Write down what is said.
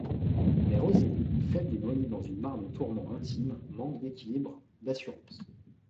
Mais Rosélie, faible et noyée dans une mare de tourments intimes, manque d'équilibre, d’assurance.